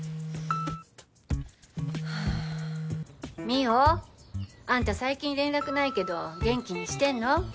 望緒あんた最近連絡ないけど元気にしてんの？